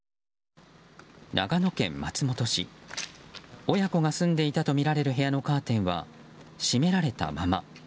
長野県松本市、親子が住んでいたとみられる家のカーテンは閉められたまま。